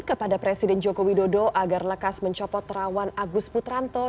kepada presiden joko widodo agar lekas mencopot terawan agus putranto